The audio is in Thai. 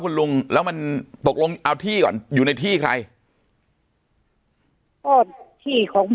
คุณลุงแล้วมันตกลงเอาที่ก่อนอยู่ในที่ใครก็ที่ของ